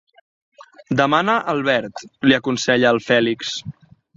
Demana el verd —li aconsella el Fèlix.